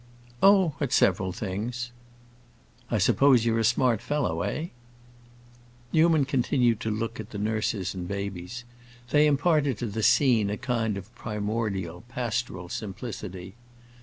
"Oh, at several things." "I suppose you're a smart fellow, eh?" Newman continued to look at the nurses and babies; they imparted to the scene a kind of primordial, pastoral simplicity.